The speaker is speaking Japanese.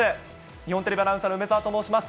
日本テレビアナウンサーの梅澤と申します。